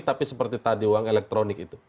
tapi seperti tadi uang elektronik itu